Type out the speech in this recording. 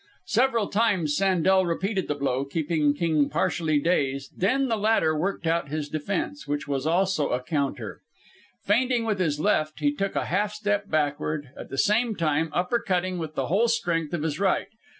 Several times Sandel repeated the blow, keeping King partially dazed, and then the latter worked out his defence, which was also a counter. Feinting with his left he took a half step backward, at the same time upper cutting with the whole strength of his right.